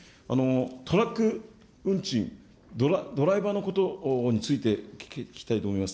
トラック運賃、ドライバーのことについて聞きたいと思います。